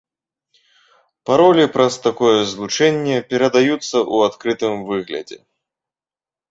Паролі праз такое злучэнне перадаюцца ў адкрытым выглядзе.